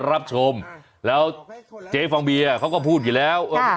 รับชมแล้วเจ๊ฟองเบียเขาก็พูดอยู่แล้ว